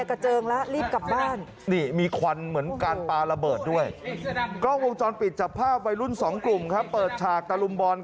โอ้โหนี่คือสุดท้ายแล้วด้วยใช่ไหมครับ